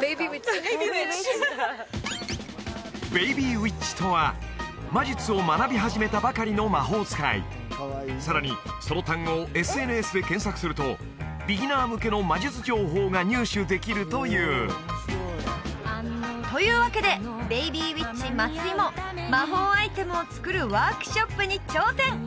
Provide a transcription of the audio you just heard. ベイビーウィッチベイビーウィッチさらにその単語をＳＮＳで検索するとビギナー向けの魔術情報が入手できるというというわけでベイビーウィッチ松井も魔法アイテムを作るワークショップに挑戦！